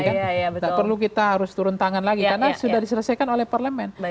tidak perlu kita harus turun tangan lagi karena sudah diselesaikan oleh parlemen